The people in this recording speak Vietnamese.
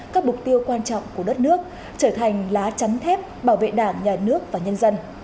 các mục tiêu quan trọng của đất nước trở thành lá chắn thép bảo vệ đảng nhà nước và nhân dân